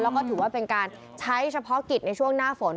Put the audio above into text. แล้วก็ถือว่าเป็นการใช้เฉพาะกิจในช่วงหน้าฝน